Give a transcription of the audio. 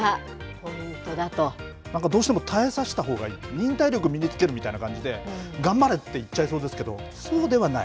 なんかどうしても耐えさせたほうがいい、忍耐力身につけるみたいな感じで、頑張れって言っちゃいそうですけど、そうではない？